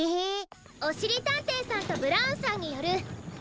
おしりたんていさんとブラウンさんによるえんしんかそくき